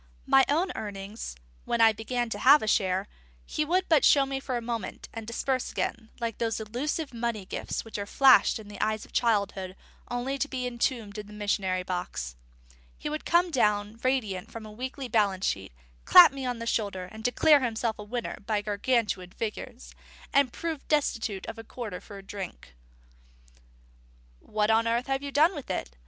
My own earnings, when I began to have a share, he would but show me for a moment, and disperse again, like those illusive money gifts which are flashed in the eyes of childhood only to be entombed in the missionary box. And he would come down radiant from a weekly balance sheet, clap me on the shoulder, declare himself a winner by Gargantuan figures, and prove destitute of a quarter for a drink. "What on earth have you done with it?"